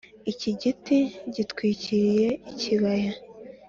iki igiti gitwikiriye ikibaya ,